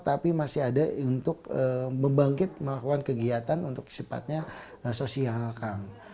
tapi masih ada untuk membangkit melakukan kegiatan untuk sifatnya sosial kang